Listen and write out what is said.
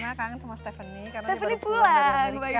karena kangen sama stephanie karena dia baru pulang dari amerika